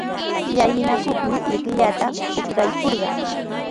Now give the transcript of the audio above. Llalinakurmi llikllata uqraykurqaa.